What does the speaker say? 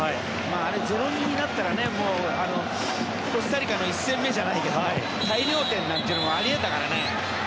あれ、０−２になったらコスタリカの１戦目じゃないけど大量点なんていうのもあり得たからね。